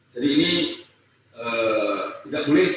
jadi ini tidak boleh